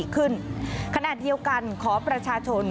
คุณหญิง